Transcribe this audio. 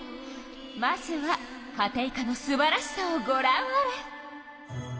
まずはカテイカのすばらしさをごらんあれ！